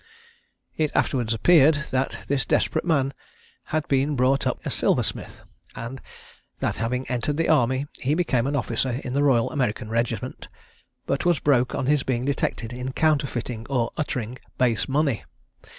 It afterwards appeared that this desperate man had been brought up a silversmith; and that having entered the army, he became an officer in the Royal American regiment, but was broke on his being detected in counterfeiting or uttering base money.